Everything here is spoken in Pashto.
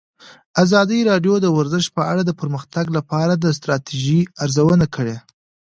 ازادي راډیو د ورزش په اړه د پرمختګ لپاره د ستراتیژۍ ارزونه کړې.